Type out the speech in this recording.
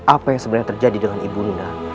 apa yang sebenarnya terjadi dengan ibu munda